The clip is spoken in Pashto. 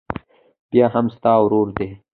بيا هم ستا ورور دى.